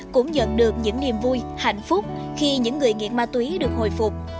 cũng nhận được những niềm vui hạnh phúc khi những người nghiện ma túy được hồi phục